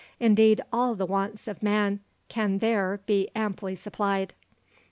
Indeed all the wants of man can there be amply supplied."